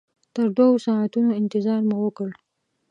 تر دوو ساعتونو انتظار مو وکړ.